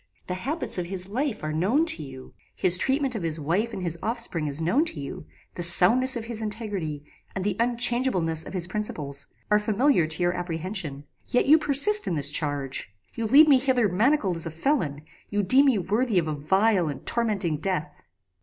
The habits of his life are known to you; his treatment of his wife and his offspring is known to you; the soundness of his integrity, and the unchangeableness of his principles, are familiar to your apprehension; yet you persist in this charge! You lead me hither manacled as a felon; you deem me worthy of a vile and tormenting death!